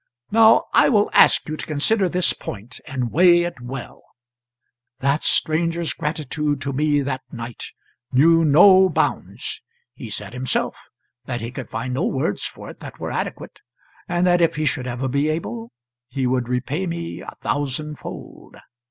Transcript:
Now I will ask you to consider this point, and weigh it well; that stranger's gratitude to me that night knew no bounds; he said himself that he could find no words for it that were adequate, and that if he should ever be able he would repay me a thousandfold.